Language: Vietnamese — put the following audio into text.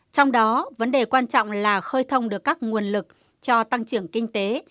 trong đó vấn đề quan trọng là khơi thông được các nguồn lực cho tăng trưởng kinh tế